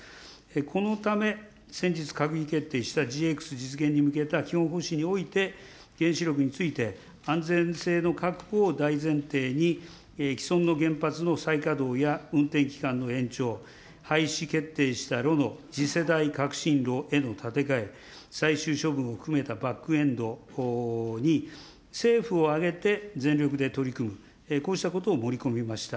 このため、先日、閣議決定したＧＸ実現に向けた基本方針において、原子力について安全性の確保を大前提に、既存の原発の再稼働や運転期間の延長、廃止決定した炉の次世代革新炉への建て替え、再就職も含めた含めたバックエンドに政府を挙げて全力で取り組む、こうしたことを盛り込みました。